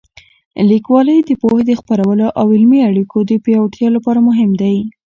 لیکوالی د پوهې د خپرولو او د علمي اړیکو د پیاوړتیا لپاره مهم دی.